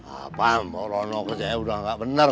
apaan mbok rono kerjanya udah gak benar